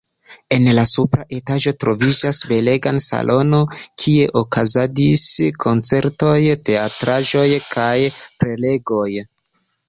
En la supra etaĝo troviĝas belega salono, kie okazadis koncertoj, teatraĵoj kaj prelegoj.